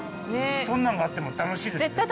そんなんがあっても楽しいです絶対。